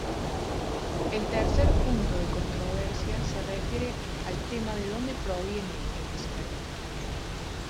El tercer punto de controversia se refiere al tema de donde proviene el esperma.